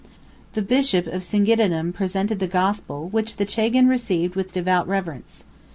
The bishop of Singidunum presented the gospel, which the chagan received with devout reverence.